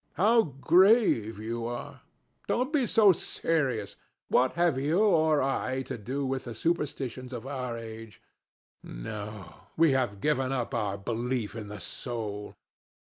How grave you are! Don't be so serious. What have you or I to do with the superstitions of our age? No: we have given up our belief in the soul.